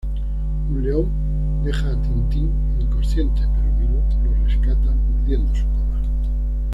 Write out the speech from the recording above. Un león deja a Tintín inconsciente, pero Milú lo rescata mordiendo su cola.